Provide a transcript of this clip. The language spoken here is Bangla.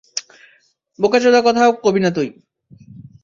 বোকাচোদা কথা কবি না তুই।